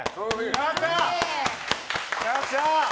やったー！